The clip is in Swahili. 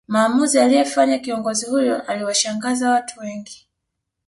Maamuzi aliyefanya kiongozi huyo aliwashangaza watu wengi